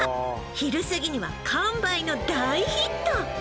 昼すぎには完売の大ヒット！